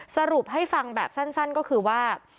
สรุปให้ฟังแบบสั้นก็คือว่า